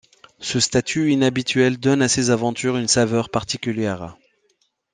Ce statut inhabituel donne à ses aventures une saveur particulière.